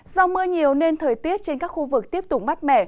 do mưa nhiều nên thời tiết trên các khu vực tiếp tục mát mẻ